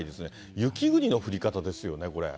雪国の降り方ですよね、これ。